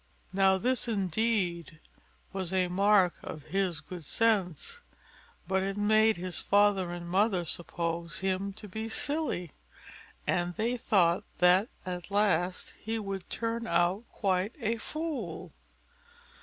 Now this, indeed, was a mark of his good sense, but it made his father and mother suppose him to be silly, and they thought that at last he would turn out quite a fool.